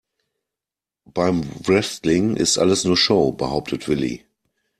Beim Wrestling ist alles nur Show, behauptet Willi.